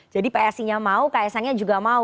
jadi psi nya mau kaisangnya juga mau